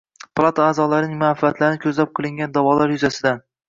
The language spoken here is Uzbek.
— palata a’zolarining manfaatlarini ko‘zlab qilingan da’volar yuzasidan".